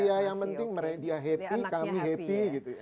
ya yang mending dia happy kami happy